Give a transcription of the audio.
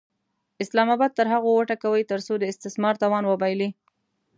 اسلام اباد تر هغو وټکوئ ترڅو د استثمار توان وبایلي.